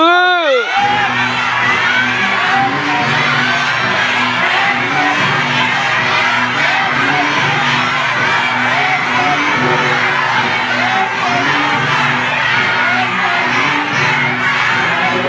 ร้องเพลงเก่งของคุณครับ